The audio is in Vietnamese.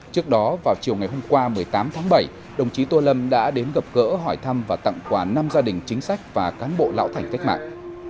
trước đó vào chiều ngày hôm qua một mươi tám tháng bảy đồng chí tô lâm đã đến gặp gỡ hỏi thăm và tặng quà năm gia đình chính sách và cán bộ lão thành cách mạng